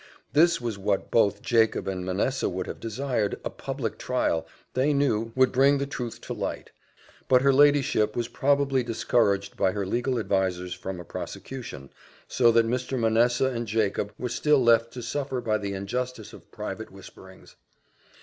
This was what both Jacob and Mr. Manessa would have desired a public trial, they knew, would bring the truth to light; but her ladyship was probably discouraged by her legal advisers from a prosecution, so that Mr. Manessa and Jacob were still left to suffer by the injustice of private whisperings.